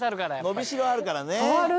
伸びしろあるからね。